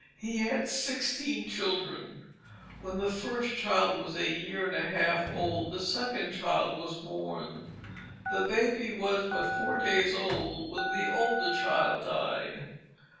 He had sixteen children. When the first child was a year and a half old the second child was born. The baby was but four days old when the older child died.